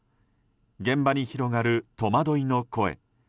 現場に広がる戸惑いの声。